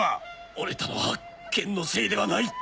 折れたのは剣のせいではない！